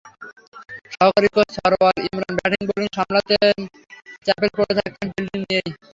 সহকারী coach Sarwar Imran batting bowling সামলাতেন, Chappell পড়ে থাকতেন ফিল্ডিং নিয়েই।